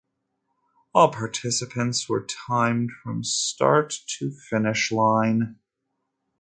All participants were timed from start to finish line.